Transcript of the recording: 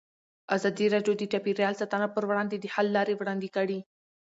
ازادي راډیو د چاپیریال ساتنه پر وړاندې د حل لارې وړاندې کړي.